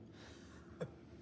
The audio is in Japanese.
フッ。